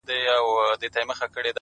دا غرونه غرونه پـه واوښـتـل!!